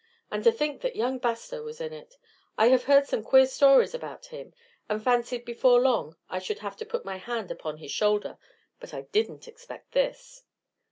And to think that young Bastow was in it! I have heard some queer stories about him, and fancied before long I should have to put my hand upon his shoulder; but I didn't expect this."